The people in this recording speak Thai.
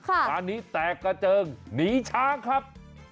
งานนี้แตกกระเจิงหนีช้างครับ